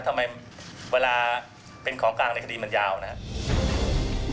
ทำไมเวลาเป็นของกลางในคดีมันยาวนะครับ